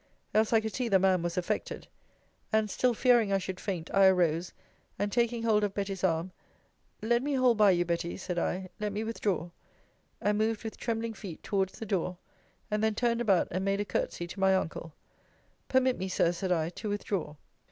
Else I could see the man was affected. And (still fearing I should faint) I arose, and taking hold of Betty's arm, let me hold by you, Betty, said I: let me withdraw. And moved with trembling feet towards the door, and then turned about, and made a courtesy to my uncle Permit me, Sir, said I, to withdraw.